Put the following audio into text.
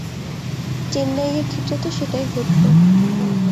চেন্নাইয়ের ক্ষেত্রে তো সেটাই ঘটল।